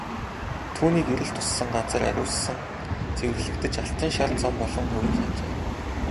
Түүний гэрэл туссан газар ариусан цэвэрлэгдэж алтан шар зам болон хувирах ажээ.